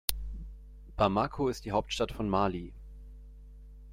Bamako ist die Hauptstadt von Mali.